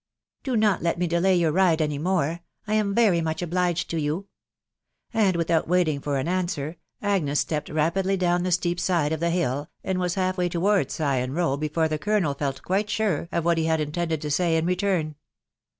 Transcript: •.• Dto not let me delay your ride any mare ...„. I am? very ranch obliged Mm you 'i'' .. .^andi without waiting f or am answer, Agnes stepped rspidJyj down tfbr steep aide; of tba hiH^ and was half way i#w*»«:s &o*» Row before the colonel felt qtrite sore of what he hau intended tor any* in return.